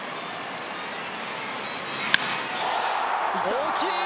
大きい。